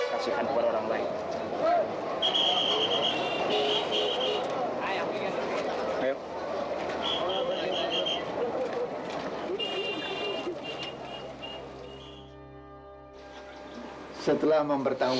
kasihkan kepada orang lain